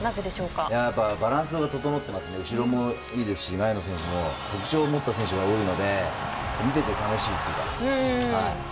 バランスが整ってますので後ろもいいですし前の選手も特徴を持った選手が多いので見てて楽しいというか。